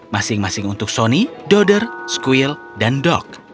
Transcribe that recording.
masing masing untuk sony dodder squill dan doc